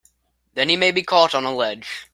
Then he may be caught on a ledge!